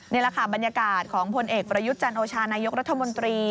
นี่แหละค่ะบรรยากาศของพลเอกประยุทธ์จันโอชานายกรัฐมนตรี